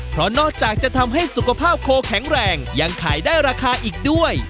เพราะนอกจากจะทำให้สุขภาพโคแข็งแรงยังขายได้ราคาอีกด้วย